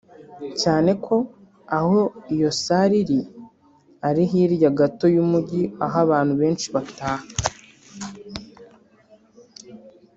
cyane ko aho iyo salle iri ari hirya gato y’umujyi aho abantu benshi bataha